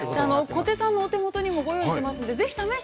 ◆小手さんのお手元にもご用意していますので。